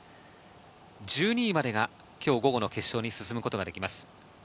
１２位までが今日、午後の決勝に進むことができます。